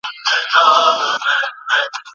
پلار مي په دلارام کي یوه لویه مځکه رانیولې ده.